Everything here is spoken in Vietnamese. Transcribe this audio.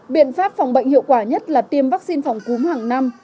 biện pháp phòng bệnh hiệu quả nhất là tiêm vaccine phòng cúm hàng năm